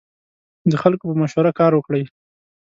د خلکو په مشوره کار وکړئ.